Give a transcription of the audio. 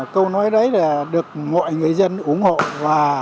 câu nói đấy là được mọi người dân ủng hộ và rất tin tưởng vào cái chính phủ mới của chúng ta